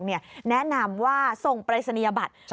แนะนำว่าส่งปรายศนียบัตร